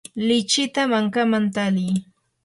lichikita mankaman tali.